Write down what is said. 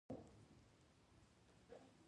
پل نیمايي د افغانستان دی.